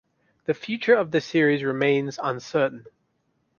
The future of the series remains uncertain.